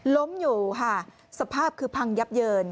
ล้มอยู่ค่ะสภาพคือพังยับเยิน